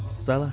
salah satu lakon